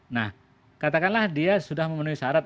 nah katakanlah dia sudah memenuhi syarat